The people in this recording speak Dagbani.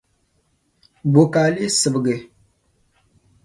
Bɔ ka a lee sibigi?